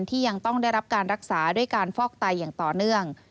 ที่ยังต้องได้รับการรักษาด้วยการฟอกไตอย่างต่อเนื่อง